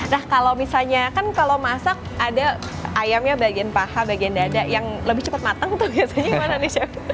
nah kalau misalnya kan kalau masak ada ayamnya bagian paha bagian dada yang lebih cepat matang tuh biasanya gimana nih chef